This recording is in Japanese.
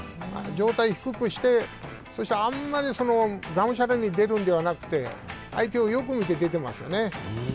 状態を低くしてそしてあんまり、がむしゃらに出るんではなくて相手をよく見て出てますよね。